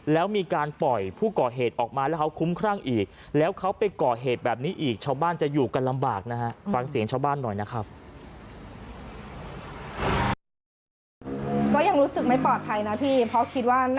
แล้วมีการปล่อยผู้ก่อเหตุออกมาแล้วเขาคุ้มครั่งอีก